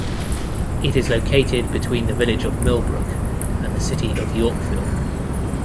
It is located between the Village of Millbrook and the City of Yorkville.